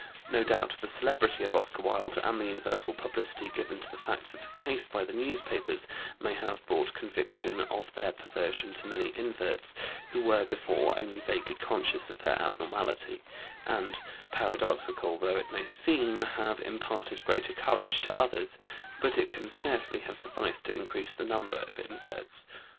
No doubt, the celebrity of Oscar Wilde and the universal publicity given to the facts of the case by the newspapers may have brought conviction of their perversion to many inverts who were before only vaguely conscious of their abnormality, and, paradoxical though it may seem, have imparted greater courage to others; but it can scarcely have sufficed to increase the number of inverts.